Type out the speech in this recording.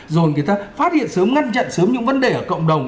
rồi người ta phát hiện sớm ngăn chặn sớm những vấn đề ở cộng đồng